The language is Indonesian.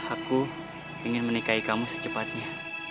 aku ingin menikahi kamu secepatnya